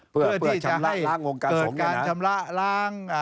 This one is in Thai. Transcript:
เพื่อที่จะให้เกิดการชำระล้าง